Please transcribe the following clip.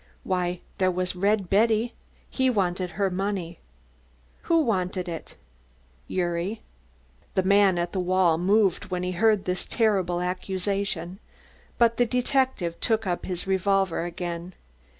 "Why, there was Red Betty, he wanted her money." "Who wanted it?" "Gyuri." The man at the wall moved when he heard this terrible accusation. But the detective took up his revolver again.